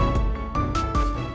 aku mau kasih tau